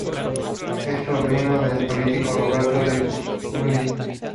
Es sobrino del político Roberto Lertxundi.